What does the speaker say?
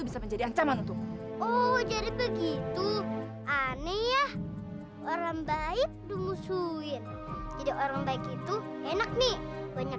sampai jumpa di video selanjutnya